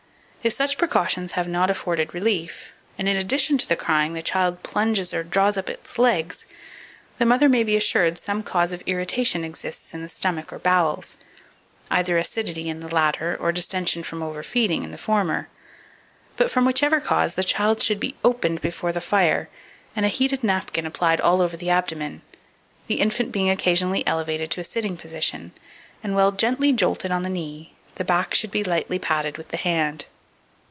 If such precautions have not afforded relief, and, in addition to the crying, the child plunges or draws up its legs, the mother may be assured some cause of irritation exists in the stomach or bowels, either acidity in the latter or distension from overfeeding in the former; but, from whichever cause, the child should be "opened" before the fire, and a heated napkin applied all over the abdomen, the infant being occasionally elevated to a sitting position, and while gently jolted on the knee, the back should be lightly patted with the hand.